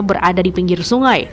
berada di pinggir sungai